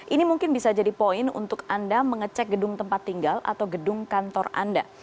ini mungkin bisa jadi poin untuk anda mengecek gedung tempat tinggal atau gedung kantor anda